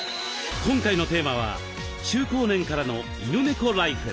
今回のテーマは「中高年からの犬猫ライフ」。